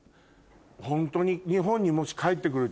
ホントに日本にもし帰ってくる時。